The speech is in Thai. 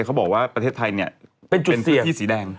เขาบอกว่าประเทศไทยเป็นพื้นที่สีแดง